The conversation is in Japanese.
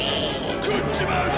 食っちまうぞ！